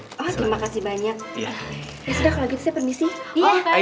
oh terima kasih banyak